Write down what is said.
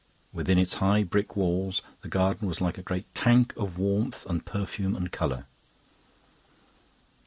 Within its high brick walls the garden was like a great tank of warmth and perfume and colour.